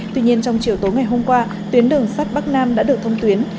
tuy nhiên trong chiều tối ngày hôm qua tuyến đường sắt bắc nam đã được thông tuyến